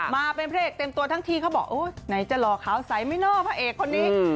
มาเป็นพระเอกเต็มตัวทั้งทีเขาบอกโอ๊ยไหนจะหล่อขาวใสไหมเนอะพระเอกคนนี้